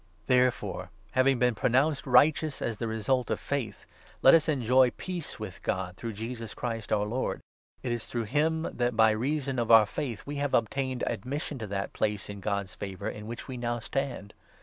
Therefore, having been pronounced righteous i or attaining as the result of faith, let us enjoy peace with God the Divine through Jesus Christ, our Lord. It is through 2 Bal' him that, by reason of our faith, we have ob tained admission to that place in God's favour in which we now stand.